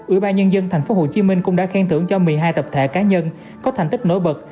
ủy ban nhân dân tp hcm cũng đã khen thưởng cho một mươi hai tập thể cá nhân có thành tích nổi bật